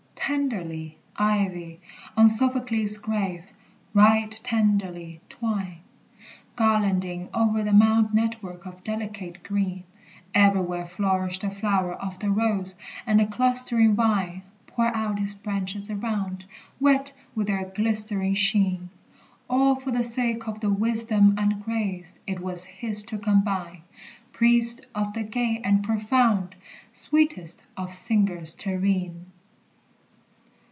Tenderly, ivy, on Sophocles' grave right tenderly twine Garlanding over the mound network of delicate green. Everywhere flourish the flower of the rose, and the clustering vine Pour out its branches around, wet with their glistering sheen. All for the sake of the wisdom and grace it was his to combine; Priest of the gay and profound, sweetest of singers terrene.